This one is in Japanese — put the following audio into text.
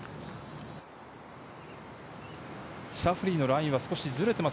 シャフリーのラインは少しズレてます。